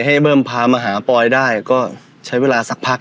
ให้เบิ้มพามาาป๋อยได้ก็เสียเวลาสัก